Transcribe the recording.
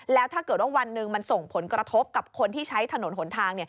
แล้วถ้าเกิดว่าวันหนึ่งมันส่งผลกระทบกับคนที่ใช้ถนนหนทาง